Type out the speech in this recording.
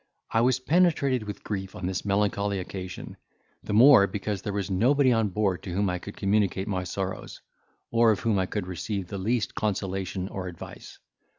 I was penetrated with grief on this melancholy occasion; the more because there was nobody on board to whom I could communicate my sorrows, or of whom I could receive the least consolation or advice.